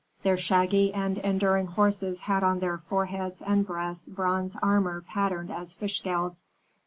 Their shaggy and enduring horses had on their foreheads and breasts bronze armor patterned as fish scales.